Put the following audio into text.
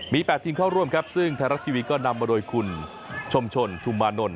มี๘ทีมเข้าร่วมครับซึ่งไทยรัฐทีวีก็นำมาโดยคุณชมชนทุมมานนท